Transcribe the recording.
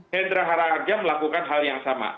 hendra haraja melakukan hal yang sama